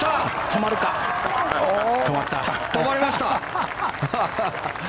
止まりました。